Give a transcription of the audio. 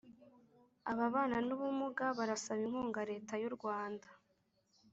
Ababana ni ubumuga barasaba inkunga reta y’ urwanda